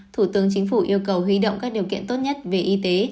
thủ tướng chính phủ yêu cầu huy động các điều kiện tốt nhất về y tế